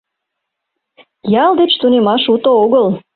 Ял деч тунемаш уто огыл